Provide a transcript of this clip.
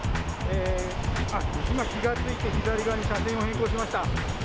あっ、今、気が付いて、左側に車線を変更しました。